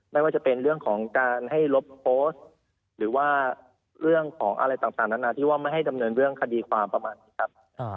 ไม่ว่าจะเป็นเรื่องของการให้ลบโพสต์หรือว่าเรื่องของอะไรต่างนานาที่ว่าไม่ให้ดำเนินเรื่องคดีความประมาณนี้ครับ